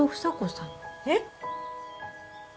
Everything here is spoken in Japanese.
えっ！？